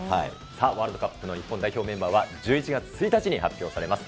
さあ、ワールドカップの日本代表メンバーは、１１月１日に発表されます。